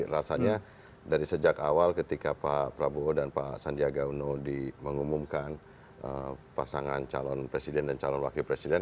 rasanya dari sejak awal ketika pak prabowo dan pak sandiaga uno mengumumkan pasangan calon presiden dan calon wakil presiden